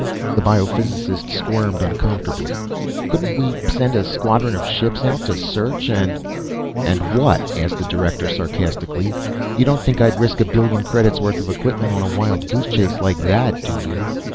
The biophysicist squirmed uncomfortably. "Couldn't we send a squadron of ships out to search and " "And what?" asked the Director, sarcastically. "You don't think I'd risk a billion credits worth of equipment on a wild goose chase like that, do you?